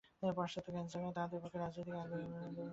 পাশ্চাত্য জ্ঞান ছাড়া তাদের পক্ষে রাজনৈতিক অধিকার লাভ করাও সম্ভব নয়।